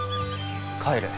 帰る。